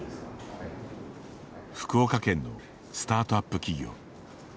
福岡県のスタートアップ企業。